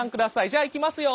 じゃあいきますよ。